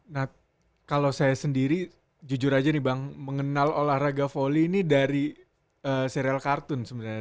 nah kalau saya sendiri jujur aja nih bang mengenal olahraga volley ini dari serial kartun sebenarnya